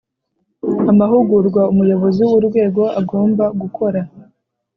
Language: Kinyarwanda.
amahugurwa Umuyobozi w Urwego agomba gukora